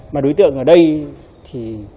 mà đối tượng ở đây thì